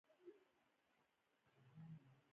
سړي ورته خوله جينګه کړه نو څه.